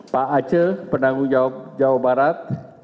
pak aceh pendangung jawa barat